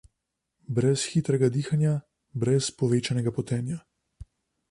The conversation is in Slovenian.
Brez hitrega dihanja, brez povečanega potenja.